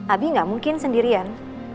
abi gak mungkin sendirian